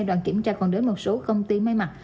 đoàn kiểm tra còn đến một số công ty máy mặt